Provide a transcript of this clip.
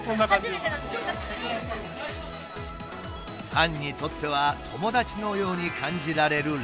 ファンにとっては友達のように感じられるライバー。